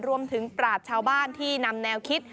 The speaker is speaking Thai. รวมถึงปราชาบ้านที่นำแนวคิด